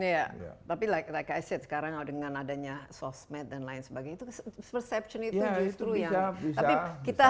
ya tapi like i said sekarang dengan adanya sosmed dan lain sebagainya perception itu justru yang